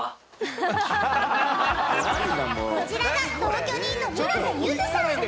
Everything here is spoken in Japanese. こちらが同居人の水瀬ゆずさん。